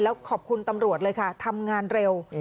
แล้วขอบคุณตำรวจเลยค่ะทำงานเร็ว